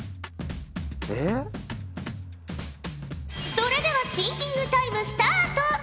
それではシンキングタイムスタート！